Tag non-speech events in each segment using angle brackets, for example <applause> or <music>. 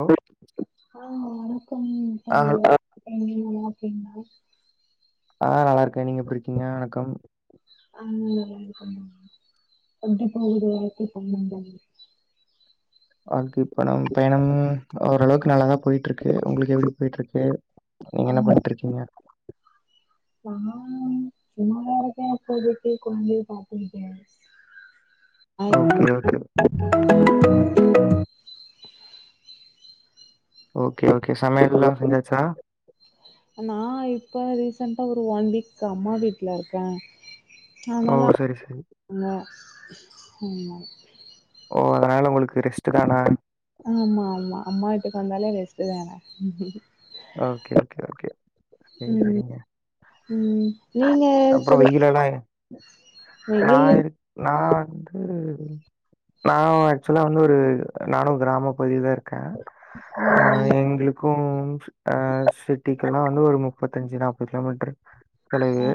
Hello ஆ ஹல் என்னங்க <unintelligible> நல்லாருக்கீங்ளா ஆ நல்லாருக்கேன் நீங்க எப்டிருக்கீங்க வணக்கம் ஆ ம் <unintelligible> எப்டி போகுது வாழ்க்கை பயணம் ஓரளவுக்கு நல்லாதா போய்ட்டுருக்கு உங்களுக்கு எப்டி போய்ட்ருக்கு நீங்க ஆ என்ன பண்ணிட்டுருக்கீங்க நா சும்மா தாருக்கே இப்போதைக்கு கொழந்தைய பாத்திருக்கே <unintelligible> ஓகே ஓகே <unintelligible> ஓகே ஓகே சமையல்ல்லா செஞ்சாச்சா நா இப்ப ரீசன்டா ஒரு ஒன் வீக் அம்மா வீட்லருக்கே ஓ அதனால சரி சரி <inaudible> ங்க ஆமா ஓ அதனால உங்களுக்கு ரெஸ்ட்டு தான ஆமா ஆமா அம்மா வீட்டுக்கு வந்தாலே ரெஸ்ட்டு தான ஓகே ஓகே ஓகே சேரி ம் சேரிங்க ம் நீங்க வெயிலெல்லா <unintelligible> நா வெயில் இருக் நா வந்து நா ஆக்சுவலா வந்து ஒரு நானு கிராம பகுதி தாருக் கே ஆ எங்களுக் கு சிட்டிக்குல்லா வந்து ஒரு முப்பத்தஞ்சு நாப்பது கிலோமீட்டரு தொலைவு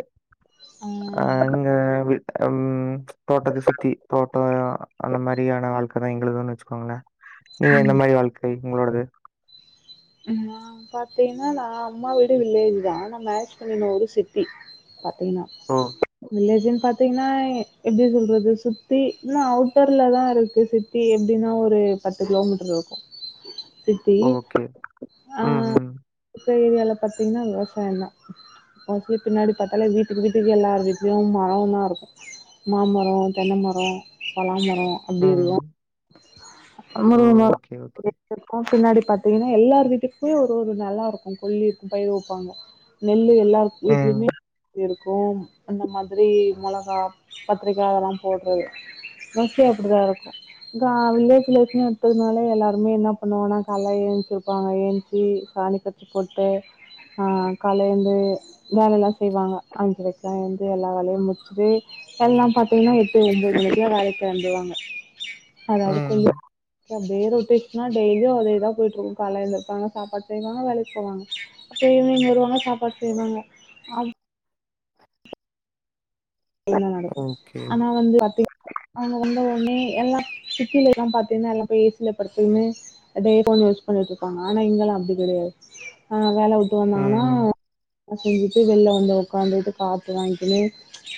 ஆ அ ஆ இங்க <unintelligible> ம் தோட்டத்த சுத்தி தோட்டோ அந்த மாதிரியான வாழ்க்க தா எங்களுதுன்னு வச்சுக்கோங்ளே நீங்க ம் எந்த மாதிரி வாழ்க்கை உங்களோடது நா பாத்தீங்கன்னா நா அம்மா வீடு வில்லேஜ் தா நா மேரேஜ் பண்ணின ஊரு சிட்டி பாத்தீங்கன்னா ஓ! வில்லேஜு பாத் பாத்தீங்கன்னா எப்டி சொல்றது சுத்தி இன்னு அவுட்டர்ல தாருக்கு சிட்டி எப்டின்னா ஒரு பத்து கிலோமீட்டருருக்கு ஓகே ம் ம் இருக்க ஏரியால பாத்தீங்கன்னா விவசாயோந்தா <unintelligible> பின்னாடி பாத்தாலே வீட்டுக்கு வீட்டுக்கு எல்லாரு வீட்லயு மரந் தா இருக்கு மாமரோ தென்ன மரோ பலா மரோ ம், அப்டி இருக்கும் ம். ஓ! Okay, okay. <unintelligible> பின்னாடி பாத்தீங்கன்னா எல்லாத் <unintelligible> போய் ஒரு ஒரு நல்லா இருக்கு கொல்லிருக்கு பயர் வப்பாங்க நெல்லு எல்லார் ம், வீட்லயுமே இருக்கும் அந்த மாதிரி முளகா கத்திரிக்கா அதெல்லா போட்றது <unintelligible> அப்டித்தாருக்கு இந்த வில்லேஜ்ஸ் எடுத்ததுனால எல்லாருமே என்ன பண்ணுவங்கனா காலைல எந்திருச்சு காலைல ஏந்திச்சி சாணி கரச்சி போட்டு ஆ காலேந்து வேல எல்லா செய்வாங்க அஞ்சறக்குலா எழுந்து எல்லா வேலயு முடிச்சுட்டு எல்லா பத் இல்லன்னா எட்டு ஒன்பது மணிக்குலா வேலைக்கு கெளம்பிடுவாங்க அதாவது ம். கொள்ள அந்த ஏரியா போயட்டனா டெய்லியும் அதேதான் போயிட்டு இருக் கால எலுந்து இருப்பாங்க சாப்பாடு செய்வாங்க வேலைக்கு போவாங்க இவினிங் வருவாங்க சாப்பாடு செய்வாங்க என்னலா நடக்கு ஓகே. ஆனா வந்து அத்தக் அவங்க வந்து உடனே எல்லா சிட்டிலல்லா பாத்தீங்கன்னா எல்லா ஏசியில படுத்துக்குனு டே கொஞ்சயூஸ் பண்ணிட்டு இருக்காங்க ஆனா இங்கல்லா அப்டி கெடையாது ஆ வேல ட்டு வந்தனாங்கனா ம். செஞ்சுட்டு வெள்ல வந்து உக்காந்துட்டு காத்து வாங்கிக்கினு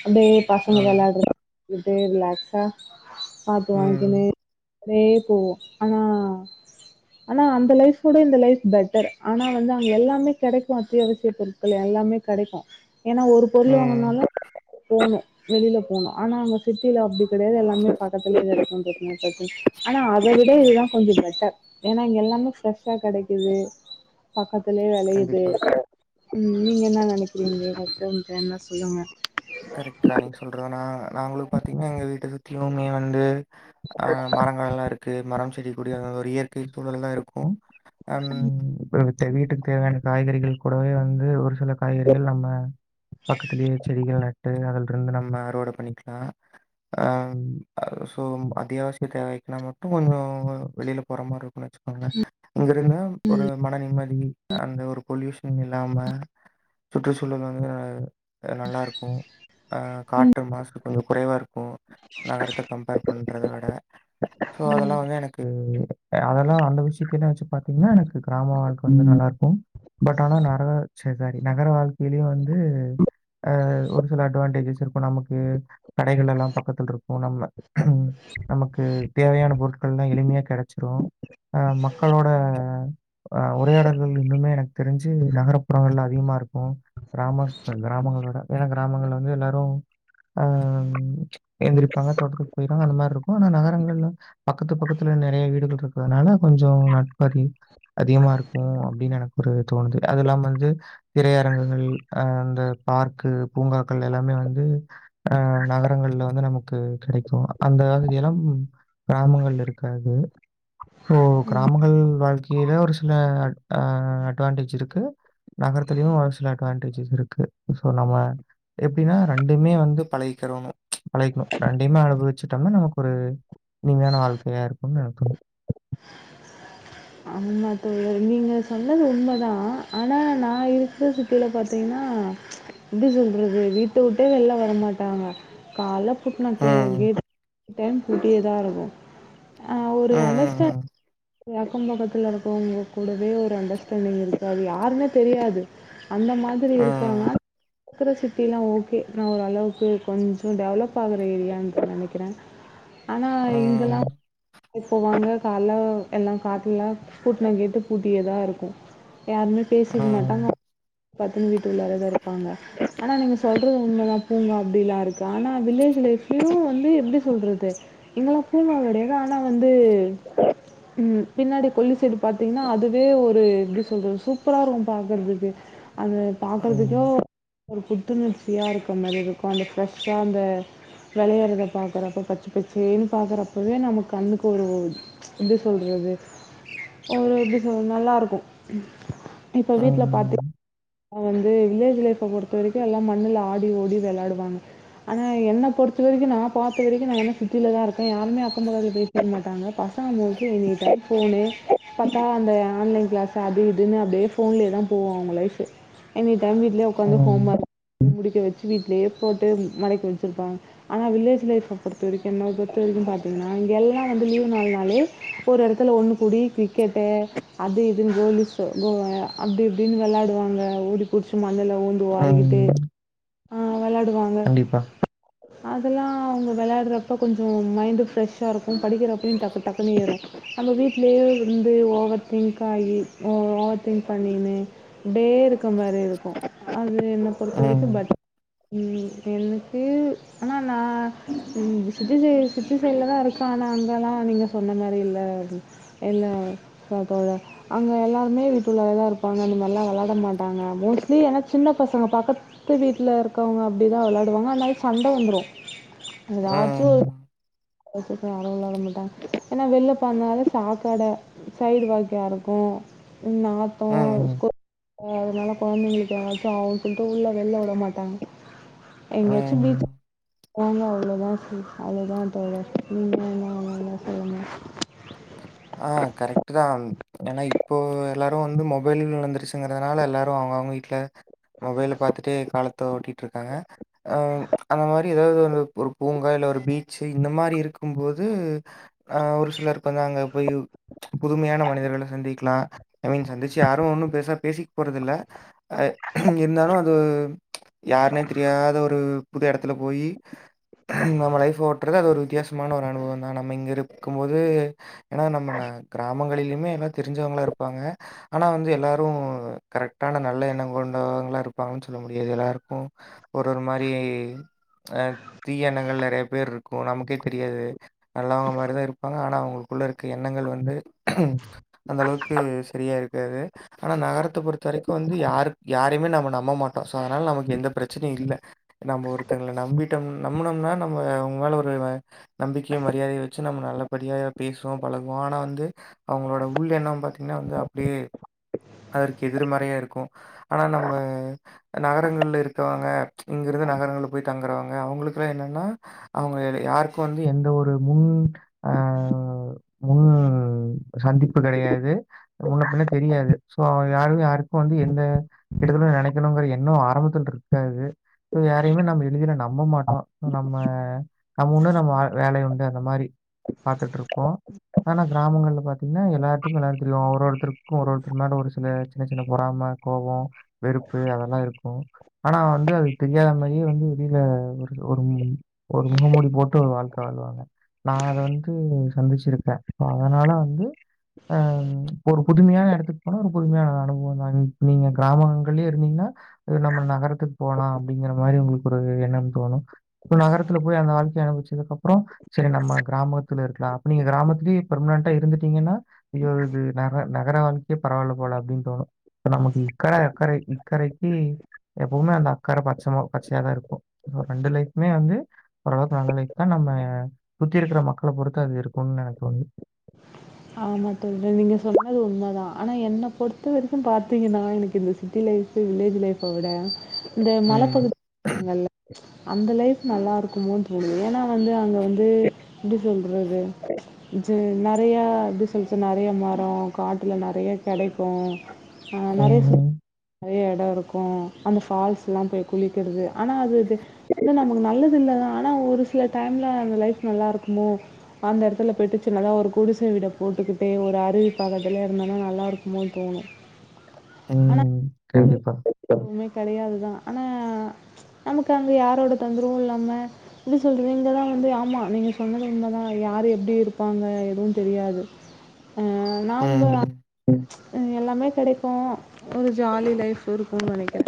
அப்டியே பசங்க ஆமா. விளாடிட்டு ரிலாக்ஸா காத்து வாங்கிங்கினு ம், அப்டியே போவு ஆனா ஆனா அந்த லைஃப்வோட இந்த லைஃப் பெட்டர் ஆனா வந்து அங்க எல்லாமே கெடைக்கும் அத்தியாவசிய பொருள் எல் எல்லாமே கெடைக்கு ஏன்னா ஒரு பொருள் ம். வாங்கினாலு போணும் வெளில போணும் ஆனா அவங்க சிட்டியில அப்டி கெடையாது எல்லாமே பக்கத்துலயே கெடைக்கு டக்கு டக்குனு ஆனா அத விட இதுதா கொஞ்ச பெட்டர் ஏன்னா இங்க எல்லாமே ஃப்ரெஷ்ஷா கெடைக்குது பக்கத்துலயே விளையுது கண்டிப்பா. நீங்க என்ன நெனைக்கிறீங்க கஸ்டமர் கிட்ட என்ன சொல்லுங்க கரெக்ட் தா நீங்க சொல்றத நா நாங்களு பாத்தீங்கன்னா எங்க வீட்ட சுத்தியுமே வந்து அ மரங்கள் எல்லா இருக்கு மரம் செடி கொடி அங்க அங்க ஒரு இயற்கை சூழல்லாதா இருக்கு அன்டு ம் வீட்டுக்கு தேவையான காய்கறிகள் கூடவே வந்து ஒரு சில காய்கறிகள் நம்ம பக்கத்திலேயே செடிகள் நட் அதுல இருந்து நம்ம அறுவடை பண்ணிக்கலா அ சோ அத்தியாவசிய தேவைக்குனா மட்டு கொஞ்ச வெளியில போற மாரி இருக்கும் வச் ஆ இங்க இருந்தா ஒரு மன நிம்மதி அந்த ஒரு பொலியூஷன் இல்லாம சுற்றுச்சூழல் வந்து நல்லா இருக்கும் ஆ காற்று மாசு கொஞ்சம் குறைவா இருக்கும் நகரத்தை கம்பேர் பண்றதை விட சோ அதெல்லா வந்து எனக்கு அதெல்லாம் அந்த விஷயத்த வச்சு பாத்தீங்கன்னா எனக்கு கிராம வாழ்க்க வந்து நல்லாருக்கும் பட் ஆனா நரக ச்ச நகர வாழ்க்கையிலையு வந்து ஆ அட்வான்டேஜஸ் இருக்கு நமக்கு கடைகள் எல்லா பக்கத்துல இருக்கும் நம்மள நமக்கு தேவையான பொருட்கள் எல்லா எளிமையா கெடைச்சிரு அ மக்களோட அ உரையாடல்கள் இன்னுமே எனக் தெரிஞ்சு நகர்புறங்கள்லா அதிகமா இருக்கு கிராம சை கிராமங்களோட வேல கிராமங்கள் வந்து எல்லாரு ஆ எந்திரிப்பாங்க தோட்டத்துக்கு போய் ஆ அந்த மாரிருக்கு ஆனா நகரங்கள் பக்கத்து பக்கத்துல நெறைய வீடுகள் இருக்குறதுனால கொஞ்ச நட்பறி அதிகமா இருக்கு அப்டின்னு எனக்கு ஒரு தோணுது அதெல்லா வந்து திரையரங்குகள் அ இந்த பார்க்கு பூங்காக்கள் எல்லாமே வந்து அ நகரங்கள்ல வந்து நமக்கு கெடைக்கும் அந்த இளம் கிராமங்கள் இருக்காது சோ கிராமங்கள் வாழ்க் ஏதோ ஒரு சில அ அட்வான்டேஜ் இருக்கு நகரத்துலயு சில அட்வான்டேஜஸ் இருக்கு ஸோ நம்ம எப்டின்னா ரெண்டுமே வந்து பழைக்கிறணு பழக்கணு ரெண்டுமே அனுபவச்சுட்டோம்னா நமக்கு ஒரு இனிமையான வாழ்கையா இருக்கும்ன்னு எனக்கு தோன் ஆமா தோழர் நீங்க சொன்னது உண்மைதா ஆனா நா இருக்கறது கீல பாத்தீங்கன்னா எப்டி சொல்றது வீட்ட விட்டே வெள்ல வரமாட்டாங்க கால்ல பூட்ன கேட் ம். எனிடைம் பூட்டியேதா இருக்கும் ஆ ஒரு ம். அண்டர்ஸ்டாண்ட் ம். அக்கம் பக்கத்தில இருக்கறவங்க கூடவே ஒரு அண்டர்ஸ்டாண்டிங் இருக்காது யாருன்னே தெரியாது அந்த மாதிரி இருக்காங்க ம். இருக்குற சிட்டிலா ஓகே ஏனா ஓரளவுக்கு கொஞ்சோ டெவலப் ஆகுற ஏரியான்னு நெனைக்குறே ஆனா இங்கெல்லா ம். <inaudible> இப்ப வாங்க கால்ல எல்லா பாத்தீங்களா பூட்ன கேட்டு பூட்டியேதாருக்கு யாருமே பேசிக்க ம். மாட்டாங்க பாத்தன்னு வீட்டு உள்ளாரேதா இருப்பாங்க ஆனா நீங்க சொல்றது உண்மதா பூங்க அப்பிடலா இருக்கு ஆனா வில்லேஜ்லே எப்பியு வந்து எப்பிடி சொல்றது எங்கெல்லா பூங்கா கெடையது ஆனா வந்து ம் பின்னாடி கொல்லி சைடு பாத்தீங்கன்னா அதுவே ஒரு எப்பிடி சொல்றது சூப்பராருக்கு பாக்கறதுக்கு அத பாக்கறதுக்கோ ம். ஒரு புத்துணிர்ச்சியா இருக்க மாரி இருக்கு அந்த ஃப்ரெஷ்ஷா அந்த வெளையறத பாக்குறப்ப பச்சே பச்சேன்னு பாக்கறப்பவே நமக்கு கண்ணுக்கு ஒரு ஒர் எப்பிடி சொல்றது ஒரு எப்டி சொல் நல்லாருக்கு இப்ப வீட்ல பாத்தீ ம். அ வந்து வில்லேஜ் லைஃப பொறுத்த வரைக்கு எல்லா மண்ணுல ஆடி ஓடி வெள்ளாடுவாங்க ஆனா என்ன பொறுத்த வரைக்கு நா பாத்த வரைக்கு நா என் சிட்டில தா இருக்கே யாருமே அக்கோ பக்கத்துல பேசு க்கமாட்டாங்க பசங்க மோஸ்ட்லி எனி டைம் ஃபோனு பாத்தா அந்த ஆன்லைன் கிளாஸ் அது இதுன்னு அப்பிடியே ஃபோன்லே தா போவு அவுங்க லைஃப் எனி டைம் வீட்லே உக்காந்து ஹோம் ம். ஒர்க் முடிக்க வச்சி வீட்லே போட்டு மடக்கி வச்சுருப்பாங்க ஆனா வில்லேஜ் லைப் பொறுத்தவரைக்கு என்ன பொறுத்தவரை பாத்தீங்ன்னா எல்லா வந்து லீவ்னால்னாலே ஒருவொருக் பக்கத்துல ஒன்னு கூடி கிரிக்கெட்டு அது இதுன்னு கோலிஸ் கோ அப்பிடி இப்பிடின்னு வெள்ளாடுவாங்க ஓடி புடிச்சு மண்ணுல ஊழுந்து வாரிகிட்டு ம். அ வெளையாடுவாங்க கண்டிப்பா. அதெல்லா அவுங்க வெளையாடுறப்ப கொஞ்சோ மைண்டு ஃப்ரெஷ்ஷாருக்கு படிக்கிறப்பியு டக்கு டக்குனே ஏறு நம்ம வீட்லே வந்து ஓவர் திங்க் ஆகி ஓ ஓவர் திங்க் பண்ணின்னு அப்டே இருக்குற மாரி இருக்கு அது என்ன பொறுத்த ம். வரைக்கு ப ம் எனக்கு ஆனா நா ம் சிட்டி சிட்டி சைட்ல தா இருக்க ஆனா அங்கல்லா நீங்க சொன்ன மாரி இல்ல அது எல்லா சாப்பாட்தா அங்க எல்லாருமே வீட்டு உள்ளேதா இருப்பாங்க அந்த மாரிலா வெளையாட மாட்டாங்க மோஸ்ட்லி சின்ன பசங்க பக்கத் த்து வீட்ல இருக்கவுங்க அப்பிடிதா வெள்ளாடுவாங்க அதனால சண்ட வந்துரு எதாச்சு ம். <unintelligible> யாரு உள்ள வரமாட்டாங்க ஏன்னா வெள் இப்போ அதனால சாக்காட சைடு வாக்கியா இருக்கு நாத்தோ ம். கொ அ அதனால கொழந்தைங்களுக்கு ஏதாச்சு அவுன் சொல்ட்டு உள்ள வெள்ல உட மாட்டாங்க எங்கயாச்சு ம். பீச் போவாங்க அவ்ளோதா தோ அவ்ளோதா தோழர் நீங்க <unintelligible> எதன்னா சொல்லணு ஆ கரெக்ட்டுதா அ ஏன்னா இப்போ எல்லாரு வந்து மொபைல் விழுந்துருச்சுங்கிறதுனால எல்லாரு அவுங்கவுங்க வீட்ல மொபைல பாத்துட்டே காலத்த ஓட்டிட்டு இருக்காங்க அ அந்த மாரி ஏதாவது வந்து ஒரு பூங்கா இல் ஒரு பீச்சி இந்த மாரி இருக்கும்போது ஆ ஒரு சிலருக்கு வந்து அங்க போய் புதுமையான மனிதர்கள சந்திக்கலா ஐ மீன் சந்திச்சி யாரு ஒன்னு பேருசா பேசிக்க போறதுல்ல அ இருந்தாலு அது யாருன்னே தெரியாத ஒரு புது எடத்துல போயி நம்ம லைஃப் ஓட்றது அது ஒரு வித்தியாசமான ஒரு அனுபவோ தா நம்ம இங்க இருக்கு போது ஏன்னா நம்ம ந கிராமங்களிலுமே எல்லா தெரிஞ்சவுங்களா இருப்பாங்க ஆனா வந்து எல்லாரு கரெக்டான நல்ல எண்ணோ கொண்டவங்களா இருப்பாங்கன்னு சொல்ல முடியாது எல்லாருக்கு ஒரு ஒரு மாரி அ தீய எண்ணங்கள் நறைய பேர் இருக்கு நமக்கே தெரியாது நல்லவுங்க மாரிதா இருப்பாங்க ஆனா அவுங்களுக்குள்ள இருக்க எண்ணங்கள் வந்து அந்த அளவுக்கு செரியா இருக்காது ஆனா நகரத்த பொறுத்த வரைக்கு வந்து யாரு யாரையுமே நம்ம நம்பமாட்டோ சோ அதனால் நமக்கு எந்த ப்ரச்சனையு இல்ல நம்ம ஒருத்தங்கள நம்பிட்டோம் நம்புனோம்னா நம்ம அவுங்களால ஒரு வ நம்பிக்கையு மரியாதையு வச்சி நம்ம நல்லபடியா பேசுவோ பழகுவோ ஆனா வந்து அவங்களோட உள்‌ எண்ணோ பாத்திங்கன்னா வந்து அப்டியே அதற்கு எதிர்மறையா இருக்கூ ஆனா நம்ம நகரங்கள்ல இருக்கவங்க இங்கிருந்து நகரங்கள்ல போய் தங்குறவங்க அவங்களுக்குலா என்னன்னா அவங்க எடு யாருக்கூ வந்து எந்த ஒரு முன் ஆ முன் சந்திப்பு கெடையாது முன்ன பின்ன தெரியாது சோ யாரு யாருக்கூ வந்து எந்த கெடுதலு நெனைக்கணுங்கிற எண்ணோ ஆரம்பத்துல்ருக்காது து யாரையுமே நம்ம எளிதில நம்ப மாட்டோ அ நம்ம நம்ம உண்டு நம்ம அ வேலை உண்டு அந்த மாரி பாத்துட்டுருப்போ ஆனா கிராமங்கள்ல பாத்தீங்கன்னா எல்லாத்துக்கூ எல்லார தெரியு ஒரு ஒருத்தருக்கூ ஒரு ஒரு த்தரு ஒரு சில சின்ன சின்ன பொறாம கோவோ வெறுப்பு அதெல்லா இருக்கூ ஆனா வந்து அது தெரியாத மாரியே வந்து வெளில ஒரு ஒரு ம் ஒரு முகமூடி போட்டு ஒரு வாழ்க்க வாழுவாங்க நா அத வந்து சந்திச்சிருக்கே சோ அதனால வந்து ஆ இப்ப ஒரு புதுமையான எடத்து போ னா ஒரு புதுமையான அனுபவோ தானே இப் நீங்க கிராமங்கள்லயே இருந்தீங்கன்னா அ நம்ம நகரத்துக்கு போலா அப்டிங்கிற மாரி உங்களுக்கு ஒரு எண்ணம் தோணு இப்ப நகரத்துல போய் அங்க வாழ் க்கைய அனுவிச்சதுக்கப்றோ சரி நம்ம கிராமத்துல இருக்கலா அப்ப நீங்க கிராமத்திலியே பெர்மனண்டா இருந்துட்டீங்கன்னா ஐயோ இது நர நகர வாழ் க்கையே பரவால்ல போல அப்டின் தோணு நமக்கு இக்கற அக்கறை இக்கறைக்கு எப்பவுமே அந்த அக்கர பச்சமா பச்சையாதா இருக்கு ஆ ரெண்டு லைஃப்மே வந்து ஓரளவுக்கு நல்ல லைஃக் தா நம்ம சுத்தி இருக்கிற மக்கள பொறுத்து அது இருக்குன் எனக்கு தோணுது ஆமா தோழ்கள் நீங்க சொன்னது உண்ம தா ஆனா என்ன பொறுத்த வரைக்கும் பாத்தீங்கன்னா எனக்கு இந்த சிட்டி லைஃப் வில்லேஜ் லைஃப்ப விட இந்த ம். மலைப்பகுதி சொன்னல்ல அந்த லைஃப் நல்லா இருக்குமோ தோணுது ஏனா வந்து அங்க வந்து எப்டி சொல்றது இஜு நறையா எப்டி சொல்சு நறைய மரோ காட்டுல நறைய கடைக்கோ நறைய ஃபு ம். நறைய எடோ இருக்கூ அந்த ஃபால்ஸ்லா போய் குளிக்கிறது ஆனா அது இது இல்ல நமக்கு நல்லதில்லதா ஆனா ஒரு சில டைம்ல அந்த லைஃப் நல்லா இருக்குமோ அந்த எடத்துல பெட்டு சின்னதா ஒரு குடிச வீட போட்டுக்கிட்டே ஒரு அருவி பக்கத்துலே இருந்தோனா நல்லாருக்குமோ தோணு ம் கண்டிப்பா. <inaudible> எதுவுமே கெடையாது தா ஆனா நமக்கு அங்க யாரோட தொந்தரவு இல்லாம இது சொல்றது நீங்கதா வந்து ஆமா நீங்க சொன்னது உண்ம தா யாரு எப்டி இருப்பாங்க எதுவு தெரியாது அ நாம்ப ம். அ எல்லாமே கெடைக்கோ ஜாலி லைஃப் இருக்கூ நெனைக்கே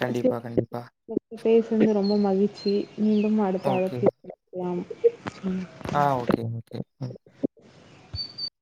கண்டிப்பா கண்டிப்பா உங்ககிட்ட பேசுனது ரொம்ப மகிழ்ச்சி மீண்டும் அடுத்த ஓகே. அழைப்பு பேசலாம் ம் ஆ ஓக்கேங் ஓக்கே ம்